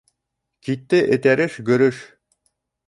Китте этәреш-гөрөш.